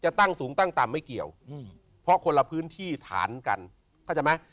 ตั้งสูงตั้งต่ำไม่เกี่ยวอืมเพราะคนละพื้นที่ฐานกันเข้าใจไหม